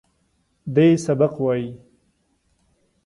دوی سبق وايي.